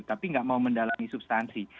tapi nggak mau mendalami substansi